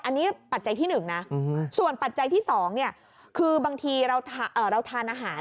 อันนี้ปัจจัยที่๑นะส่วนปัจจัยที่๒คือบางทีเราทานอาหาร